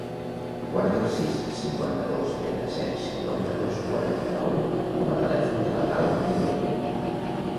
Guarda el sis, cinquanta-dos, trenta-set, cinquanta-dos, quaranta-nou com a telèfon de la Gal·la Viloria.